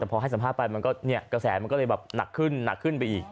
แต่พอให้สภาพไปกระแสมันก็เลยแบบหนักขึ้นหนักขึ้นไปอีก